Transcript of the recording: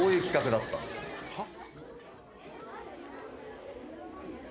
はっ？